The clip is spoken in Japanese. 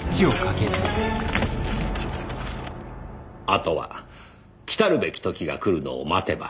あとはきたるべき時が来るのを待てばいい。